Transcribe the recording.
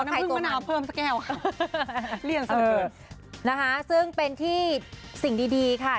ใครตัวมันเอาเพิ่มสักแก้วเลี่ยนนะคะซึ่งเป็นที่สิ่งดีค่ะ